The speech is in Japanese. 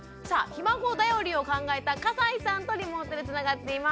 「ひ孫だより」を考えた笠井さんとリモートでつながっています。